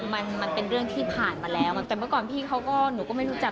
มันมันเป็นเรื่องที่ผ่านมาแล้วแต่เมื่อก่อนพี่เขาก็หนูก็ไม่รู้จัก